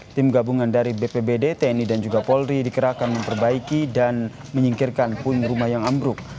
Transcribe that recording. tim gabungan dari bpbd tni dan juga polri dikerahkan memperbaiki dan menyingkirkan puing rumah yang ambruk